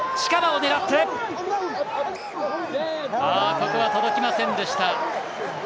ここは届きませんでした。